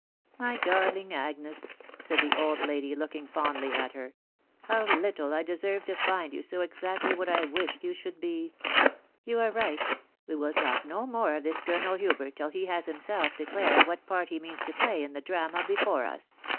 "My darling Agnes!" .... said the old lady, looking fondly at her, " how little I deserve to find you so exactly what I wished you should be !.... You are right ; we will ■ talk no more of this Colonel Hubert till he has himself declared what part he means to play in the drama before us.